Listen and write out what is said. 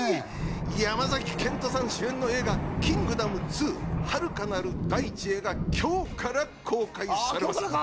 山崎賢人さん主演の映画『キングダム２遥かなる大地へ』が今日から公開されます。